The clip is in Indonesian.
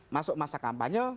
masuk masa kampanye